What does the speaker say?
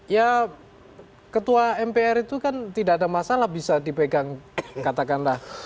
ya ketua mpr itu kan tidak ada masalah bisa dipegang katakanlah